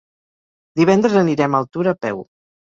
Divendres anirem a Altura a peu.